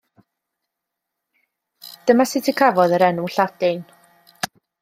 Dyma sut y cafodd yr enw Lladin.